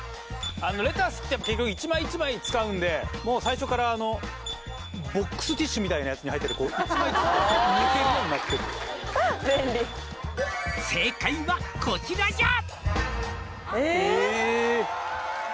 レタスってやっぱ結局一枚一枚使うんでもう最初からボックスティッシュみたいなやつに入ってて一枚ずつ抜けるようになってる「正解はこちらじゃ」